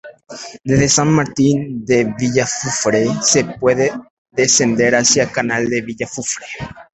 Desde San Martín de Villafufre se puede descender hacia La Canal de Villafufre.